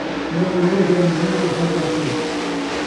سڄݨ اوہو جیڑھا مون٘ہہ تے سچ آکھے